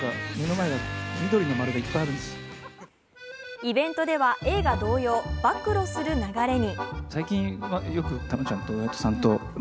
イベントでは、映画同様暴露する流れに。